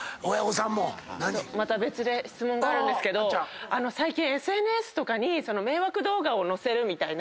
また別で質問があるんですけど最近ＳＮＳとかに迷惑動画を載せるみたいな。